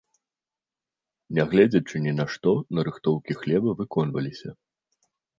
Нягледзячы ні на што, нарыхтоўкі хлеба выконваліся.